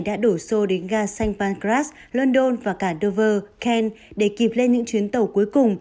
đã đổ xô đến ga saint pancras london và cả dover kent để kịp lên những chuyến tàu cuối cùng